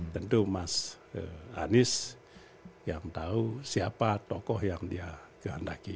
tentu mas anies yang tahu siapa tokoh yang dia kehendaki